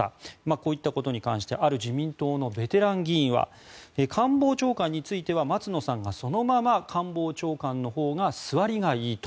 こういったことに関してある自民党のベテラン議員は官房長官については松野さんがそのまま官房長官のほうが据わりがいいと。